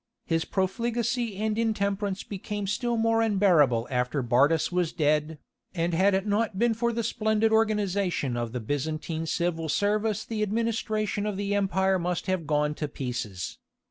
His profligacy and intemperance became still more unbearable after Bardas was dead, and had it not been for the splendid organization of the Byzantine civil service the administration of the empire must have gone to pieces.